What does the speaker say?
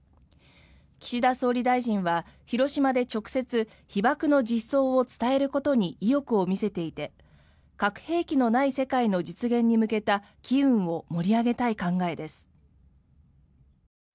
岸田総理大臣は広島で直接被爆の実相を伝えることに意欲を見せていて核兵器のない世界の実現に向けた機運を盛り上げたい考えです。